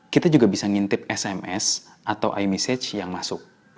kita juga bisa ngintip sms atau imasage yang masuk